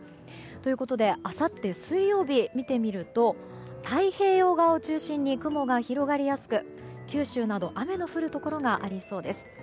ということであさって水曜日を見てみると太平洋側を中心に雲が広がりやすく九州など雨が降るところがありそうです。